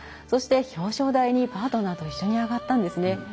そして、表彰台にパートナーと一緒に上がったんですね。